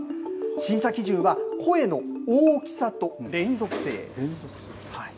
審査基準は声の大きさと連続性。